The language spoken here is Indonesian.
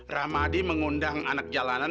ramadi mengundang anak jalanan